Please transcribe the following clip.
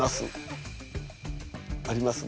あります。